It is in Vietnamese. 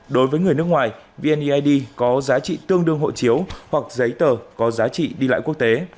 đối với người nước ngoài vneid có giá trị tương đương hộ chiếu hoặc giấy tờ có giá trị đi lại quốc tế